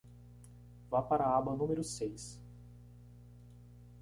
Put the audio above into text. Vá para a aba número seis.